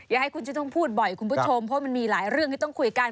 ให้คุณจะต้องพูดบ่อยคุณผู้ชมเพราะมันมีหลายเรื่องที่ต้องคุยกัน